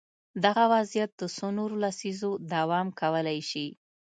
دغه وضعیت د څو نورو لسیزو دوام کولای شي.